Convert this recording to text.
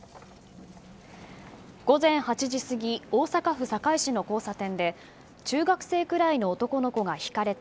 午前８時過ぎ大阪府堺市の交差点で中学生くらいの男の子がひかれた。